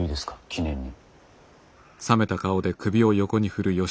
記念に。